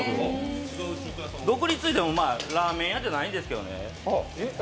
独立いうても、ラーメン屋じゃないんですけどね。